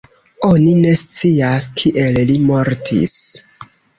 Oni ne scias kiel li mortis.